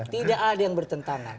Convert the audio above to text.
tidak ada yang bertentangan